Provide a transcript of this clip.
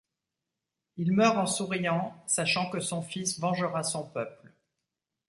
Il meurt en souriant, sachant que son fils vengera son peuple.